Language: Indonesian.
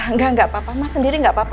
enggak gak apa apa mas sendiri gak apa apa